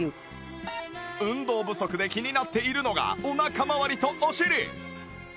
運動不足で気になっているのがお腹まわりとお尻